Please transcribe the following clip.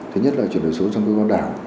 thứ nhất là chuyển đổi số trong cơ quan đảng